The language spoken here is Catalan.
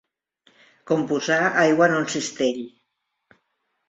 Com posar aigua en un cistell.